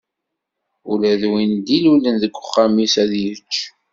Ula d win i d-ilulen deg uxxam-is, ad yečč.